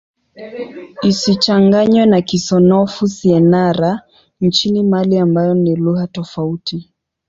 Isichanganywe na Kisenoufo-Syenara nchini Mali ambayo ni lugha tofauti.